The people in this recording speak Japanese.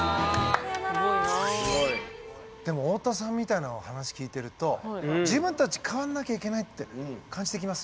でも太田さんみたいなお話聞いてると自分たち変わんなきゃいけないって感じてきます？